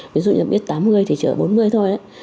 ví dụ như là biết tám mươi thì chở bốn mươi thôi